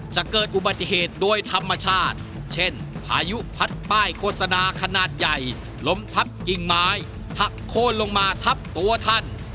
จะเกิดอุบัติเหตุโดยธรรมชาติเช่นพายุพัดป้ายโฆษณาขนาดใหญ่ล้มทับกิ่งไม้หักโค้นลงมาทับตัวท่าน